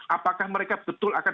apakah mereka betul akan